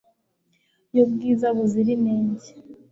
yo bwiza buzira inenge